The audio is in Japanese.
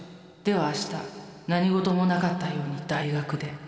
ではあした何事もなかったように大学で。